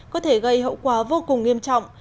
có thể gây hậu quả vô cùng nghiêm trọng